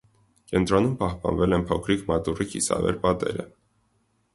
Կենտրոնում պահպանվել են փոքրիկ մատուռի կիսավեր պատերը։